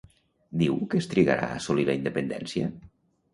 Diu que es trigarà a assolir la independència?